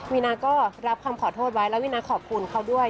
วีนาก็รับคำขอโทษไว้แล้ววีนาขอบคุณเขาด้วย